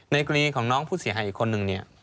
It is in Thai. กรณีของน้องผู้เสียหายอีกคนนึงเนี่ย